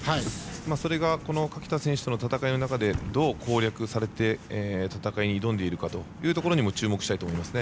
それが、垣田選手との戦いの中でどう攻略されて戦いに挑んでいるかというのも注目したいと思いますね。